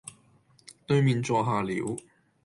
對面坐下了，